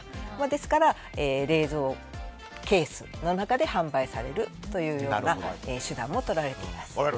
ですから、冷蔵ケースの中で販売されるというような手段を取られています。